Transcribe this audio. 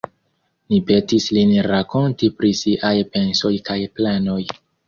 Ni petis lin rakonti pri siaj pensoj kaj planoj.